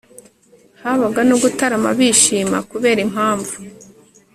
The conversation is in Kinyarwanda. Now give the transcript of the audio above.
habaga no gutarama bishima kubera impamvu